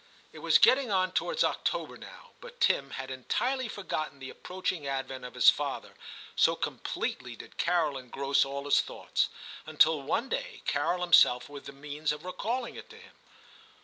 It was getting on towards October now, but Tim had entirely forgotten the approach ing advent of his father, so completely did Carol engross all his thoughts, until one day Carol himself was the means of recalling it to him.